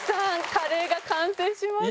カレーが完成しました。